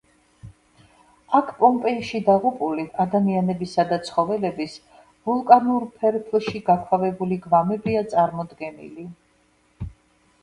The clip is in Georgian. აქ პომპეიში დაღუპული ადამიანებისა და ცხოველების ვულკანურ ფერფლში გაქვავებული გვამებია წარმოდგენილი.